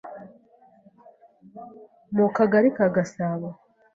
mu Kagali ka Gasabo